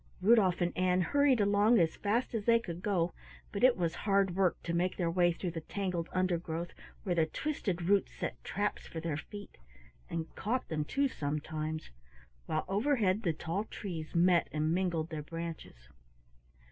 Rudolf and Ann hurried along as fast as they could go, but it was hard work to make their way through the tangled undergrowth where the twisted roots set traps for their feet and caught them, too, sometimes while overhead the tall trees met and mingled their branches.